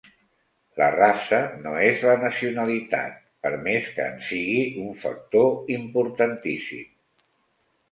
La raça no és la nacionalitat per més que en sigui un factor importantíssim.